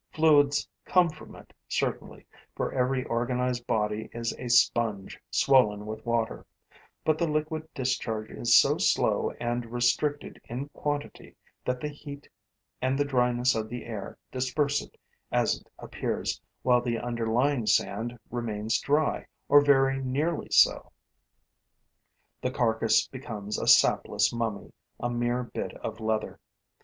Fluids come from it, certainly, for every organized body is a sponge swollen with water; but the liquid discharge is so slow and restricted in quantity that the heat and the dryness of the air disperse it as it appears, while the underlying sand remains dry, or very nearly so. The carcass becomes a sapless mummy, a mere bit of leather.